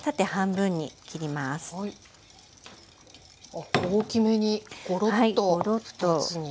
あっ大きめにゴロッと２つに。